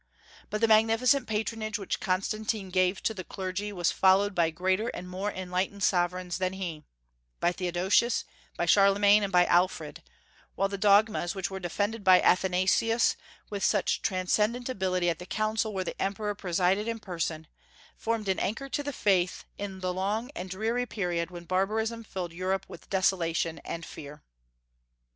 But the magnificent patronage which Constantine gave to the clergy was followed by greater and more enlightened sovereigns than he, by Theodosius, by Charlemagne, and by Alfred; while the dogmas which were defended by Athanasius with such transcendent ability at the council where the emperor presided in person, formed an anchor to the faith in the long and dreary period when barbarism filled Europe with desolation and fear.